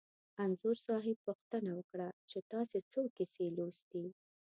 انځور صاحب پوښتنه وکړه چې تاسې څو کیسې لوستي.